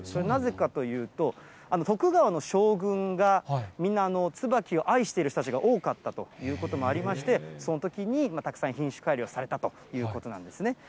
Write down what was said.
なぜかというと、徳川の将軍が、みんなツバキを愛している人たちが多かったということもありまして、そのときに、たくさん品種改良されたということなんですね。